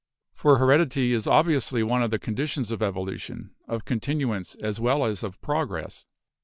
For heredity is obviously one of the conditions of evolution, of continu ance as well as of progress.